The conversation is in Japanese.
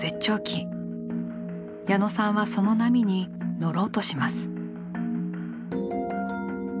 矢野さんはその波に乗ろうとします。